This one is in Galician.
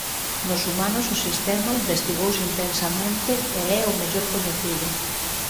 Nos humanos o sistema investigouse intensamente e é o mellor coñecido.